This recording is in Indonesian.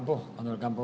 jadi ini lebih nyaman